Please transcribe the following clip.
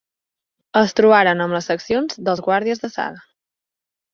Es trobaren amb les seccions dels guàrdies d'assalt.